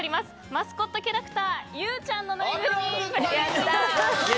マスコットキャラクターゆーちゃんのぬいぐるみ。